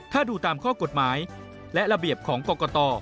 ถ้าดูตามข้อกฎหมายและระเบียบของกรกต